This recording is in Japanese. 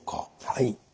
はい。